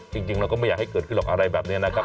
จริงเราก็ไม่อยากให้เกิดขึ้นหรอกอะไรแบบนี้นะครับ